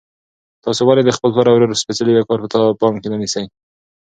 تاسو ولې د خپل پلار او ورور سپېڅلی وقار په پام کې نه نیسئ؟